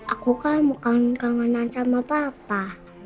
aku kan mau kangen kangenan sama papa